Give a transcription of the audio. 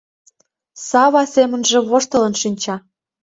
Сава семынже воштылын шинча: